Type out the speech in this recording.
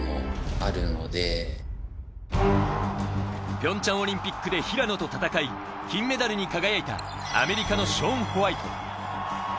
ピョンチャンオリンピックで平野と戦い、金メダルに輝いたアメリカのショーン・ホワイト。